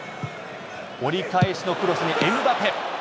折り返しのクロスにエムバペ。